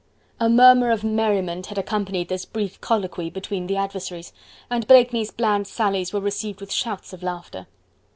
A murmur of merriment had accompanied this brief colloquy between the adversaries, and Blakeney's bland sallies were received with shouts of laughter.